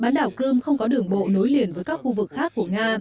bán đảo crimea không có đường bộ nối liền với các khu vực khác của nga